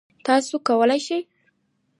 تاسو کولی شئ